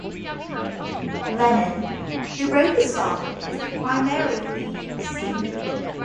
Lennon, who wrote the song, is the primary lead singer.